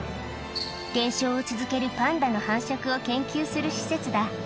減少を続けるパンダの繁殖を研究する施設だ。